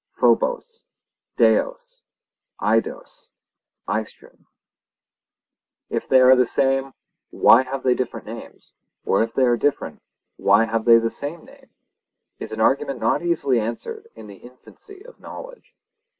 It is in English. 'If they are the same, why have they different names; or if they are different, why have they the same name?'—is an argument not easily answered in the infancy of knowledge.